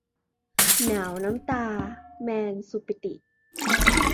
หนาวน้ำตา - แมน สุปิติ